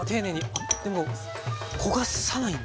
あっでも焦がさないんですね。